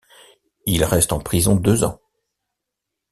Il reste en prison deux ans.